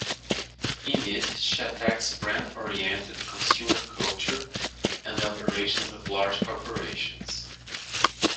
In it, she attacks brand-oriented consumer culture and the operations of large corporations.